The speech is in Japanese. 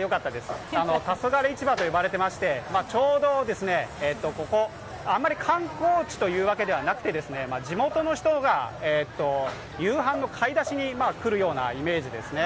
よかったです、黄昏市場と呼ばれていまして、ちょうどここ、あんまり観光地というわけではなくてですね地元の人が夕飯の買い出しに来るようなイメージですね。